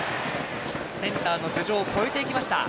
センターの頭上を越えていきました。